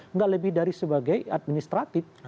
nggak lebih dari sebagai administratif